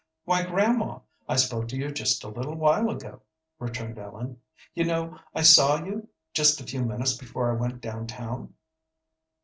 "Why, grandma, I spoke to you just a little while ago," returned Ellen. "You know I saw you just a few minutes before I went down town."